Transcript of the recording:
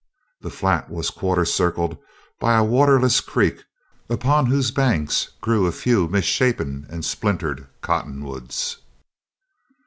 The flat was quarter circled by a waterless creek upon whose banks grew a few misshapen and splintered cottonwoods.